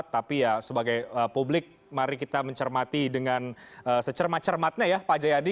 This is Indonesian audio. tapi ya sebagai publik mari kita mencermati dengan secermat cermatnya ya pak jayadi